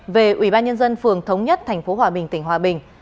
về ủy ban nhân dân phường thống nhất tp hòa bình tỉnh hòa bình